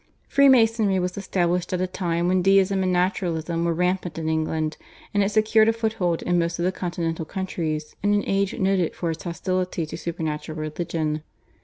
Freemasonry was established at a time when Deism and Naturalism were rampant in England, and it secured a foothold in most of the continental countries in an age noted for its hostility to supernatural religion.